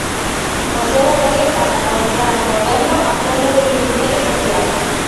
O seu apoio pasa por entrar no Goberno á fronte dun ministerio social.